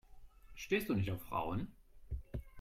Stehst du nicht auf Frauen?